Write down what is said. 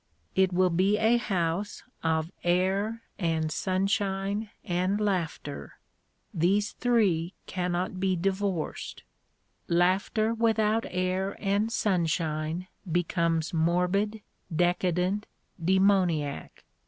It will be a house of air and sunshine and laughter. These three cannot be divorced. Laughter without air and sunshine becomes morbid, decadent, demoniac.